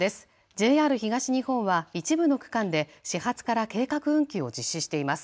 ＪＲ東日本は一部の区間で始発から計画運休を実施しています。